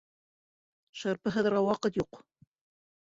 Шырпы һыҙырға ваҡыт юҡ.